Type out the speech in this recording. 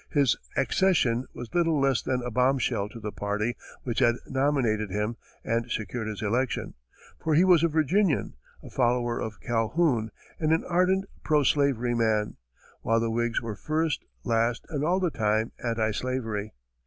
His accession was little less than a bomb shell to the party which had nominated him and secured his election. For he was a Virginian, a follower of Calhoun and an ardent pro slavery man, while the Whigs were first, last and all the time anti slavery.